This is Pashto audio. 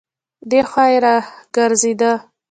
دی خوا يې راګرځېده.